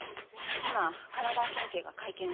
今神奈川県警が会見を。